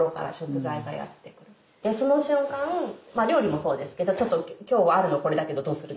まあ料理もそうですけど「ちょっと今日はあるのこれだけどどうする？」